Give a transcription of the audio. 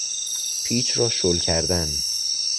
پیچ را شل کردن